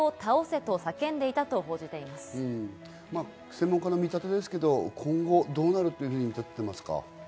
専門家の見立てですけど今後、どうなるというふうに見立てていますか？